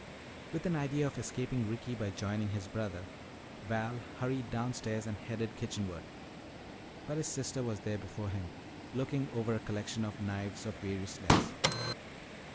With an idea of escaping Ricky by joining his brother, Val hurried downstairs and headed kitchenward. But his sister was there before him looking over a collection of knives of various lengths.